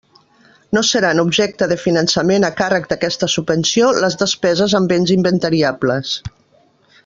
No seran objecte de finançament a càrrec d'aquesta subvenció les despeses en béns inventariables.